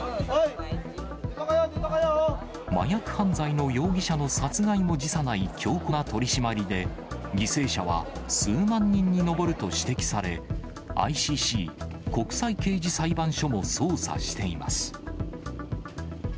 麻薬犯罪の容疑者の殺害も辞さない強硬な取り締まりで、犠牲者は数万人に上ると指摘され、ＩＣＣ・国際刑事裁判所も捜査しています。